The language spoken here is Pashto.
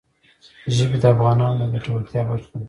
ژبې د افغانانو د ګټورتیا برخه ده.